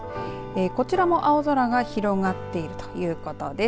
こちらも青空が広がっているということです。